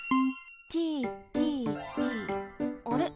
ＴＴＴあれ？